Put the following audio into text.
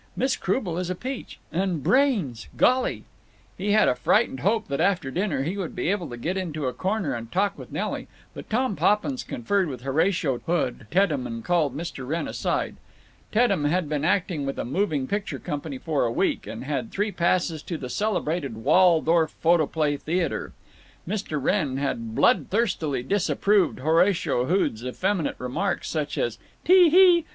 Miss Croubel is a peach. And brains—golly!" He had a frightened hope that after dinner he would be able to get into a corner and talk with Nelly, but Tom Poppins conferred with Horatio Hood Teddenm and called Mr. Wrenn aside. Teddem had been acting with a moving picture company for a week, and had three passes to the celebrated Waldorf Photoplay Theater. Mr. Wrenn had bloodthirstily disapproved Horatio Hood's effeminate remarks, such as "Tee _hee!